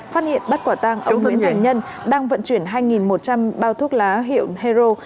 phát hiện bắt quả tang ông huỳnh thành nhân đang vận chuyển hai một trăm linh bao thuốc lá hiệu hero